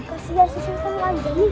kasihan sih sultan anjay